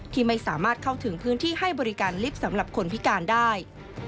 ที่ไม่สามารถเข้าถึงพื้นที่ให้บริการลิฟต์สำหรับคนพิการได้